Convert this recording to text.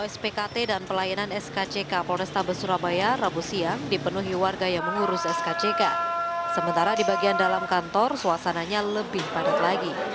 sejak pagi warga yang mengurus ini sudah datang di sini sejak pagi